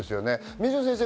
水野先生